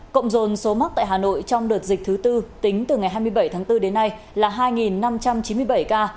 cộng dồn số mắc tại hà nội trong đợt dịch thứ tư tính từ ngày hai mươi bảy tháng bốn đến nay là hai năm trăm chín mươi bảy ca